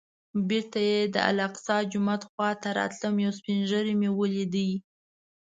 بېرته چې د الاقصی جومات خوا ته راتلم یو سپین ږیری مې ولید.